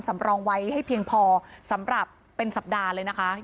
สำรองไว้ให้เพียงพอสำหรับเป็นสัปดาห์เลยนะคะ